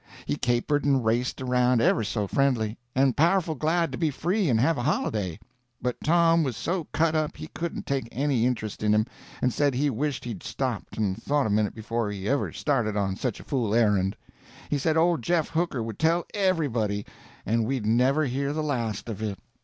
He capered and raced around ever so friendly, and powerful glad to be free and have a holiday; but Tom was so cut up he couldn't take any intrust in him, and said he wished he'd stopped and thought a minute before he ever started on such a fool errand. He said old Jeff Hooker would tell everybody, and we'd never hear the last of it.